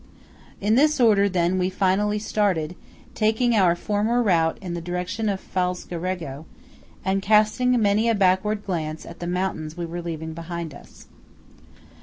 In this order, then, we finally started, taking our former route in the direction of Falzarego, and casting many a backward glance at the mountains we were leaving behind us.